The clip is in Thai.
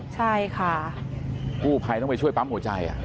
ใช่ค่ะกู้ภัยต้องไปช่วยปั๊มหัวใจ